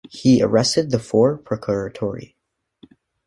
He arrested the four Procuratori.